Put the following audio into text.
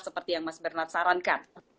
seperti yang mas bernard sarankan